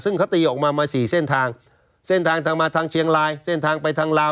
ซึ่งเขาตีออกมามาสี่เส้นทางเส้นทางทางมาทางเชียงรายเส้นทางไปทางลาว